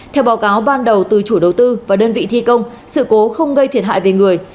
theo báo cáo ban đầu từ chủ đầu tư và đơn vị thi công sự cố không gây thiệt hại về người